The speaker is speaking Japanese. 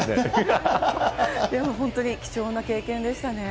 でも本当に貴重な経験でしたね。